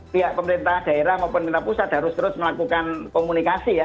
pihak pemerintah daerah maupun pemerintah pusat harus terus melakukan komunikasi ya